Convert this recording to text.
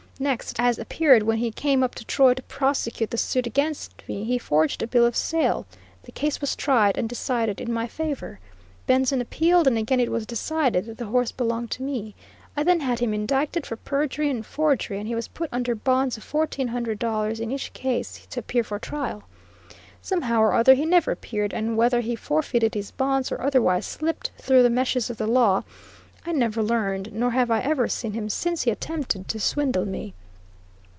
Next, as appeared when he came up to Troy to prosecute the suit against me, he forged a bill of sale. The case was tried and decided in my favor. Benson appealed, and again it was decided that the horse belonged to me. I then had him indicted for perjury and forgery, and he was put under bonds of fourteen hundred dollars in each case to appear for trial. Some how or other he never appeared, and whether he forfeited his bonds, or otherwise slipped through the "meshes of the law," I never learned, nor have I ever seen him since he attempted to swindle me.